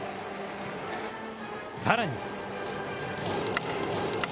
さらに。